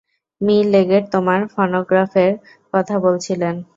Me Legate তোমার ফনোগ্রাফের কথা বলছিলেন।